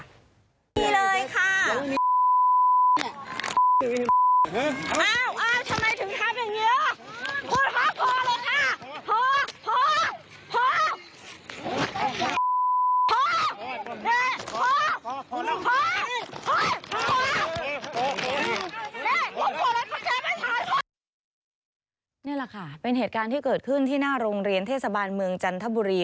นี่แหละค่ะเป็นเหตุการณ์ที่เกิดขึ้นที่หน้าโรงเรียนเทศบาลเมืองจันทบุรี